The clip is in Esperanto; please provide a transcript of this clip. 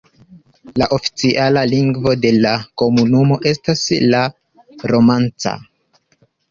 La oficiala lingvo de la komunumo estas la romanĉa.